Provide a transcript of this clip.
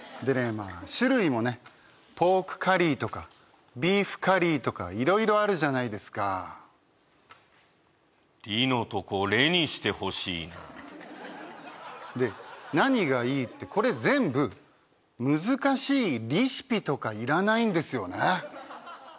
まぁ種類もねポークカリーとかビーフカリーとかいろいろあるじゃないですか「リ」のとこ「レ」にしてほしいなで何がいいってこれ全部難しいリシピとか要らないんですよね